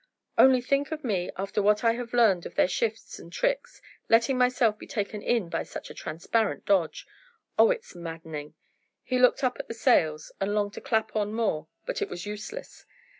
"Only to think of me, after what I have learned of their shifts and tricks, letting myself be taken in by such a transparent dodge. Oh, it's maddening!" He looked up at the sails, and longed to clap on more, but it was useless.